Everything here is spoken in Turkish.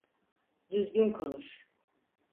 Düzgün konuş.